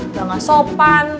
udah gak sopan